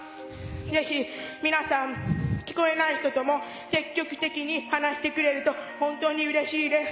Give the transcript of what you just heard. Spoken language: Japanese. ぜひ皆さん、聞こえない人とも積極的に話してくれると本当にうれしいです。